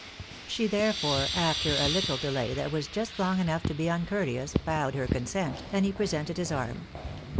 She therefore, after a little delay that was just long enough to be uncourteous, bowed her consent, and he presented his arm.